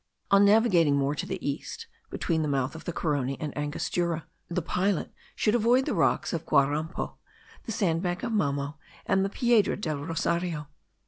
On navigating more to the east, between the mouth of the Carony and Angostura, the pilot should avoid the rocks of Guarampo, the sandbank of Mamo, and the Piedra del Rosario.